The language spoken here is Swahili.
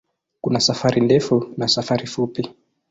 Kuna safari ndefu na safari fupi.